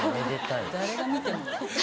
誰が見ても。